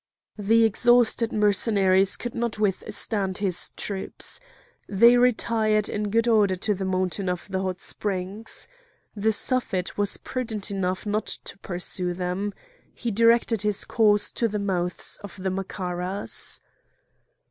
The exhausted Mercenaries could not withstand his troops. They retired in good order to the mountain of the Hot Springs. The Suffet was prudent enough not to pursue them. He directed his course to the mouths of the Macaras.